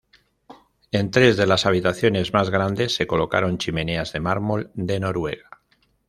En tres de las habitaciones más grandes se colocaron chimeneas de mármol de Noruega.